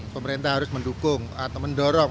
pemerintah harus mendukung atau mendorong